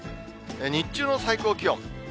日中の最高気温。